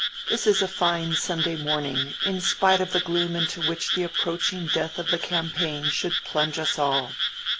"This is a fine Sunday morning in spite of the gloom into which the approaching death of the campaign should plunge us all."